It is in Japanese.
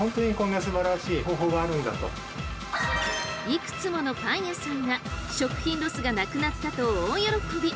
いくつものパン屋さんが食品ロスがなくなったと大喜び。